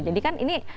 jadi kan ini